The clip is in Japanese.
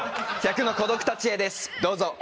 『１００のコドク達へ』ですどうぞ！